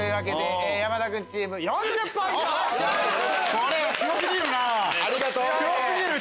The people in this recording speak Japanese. これ強過ぎるな！